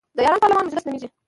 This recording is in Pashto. د ایران پارلمان مجلس نومیږي.